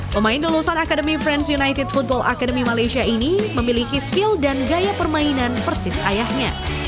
pemain lulusan akademi friends united football academy malaysia ini memiliki skill dan gaya permainan persis ayahnya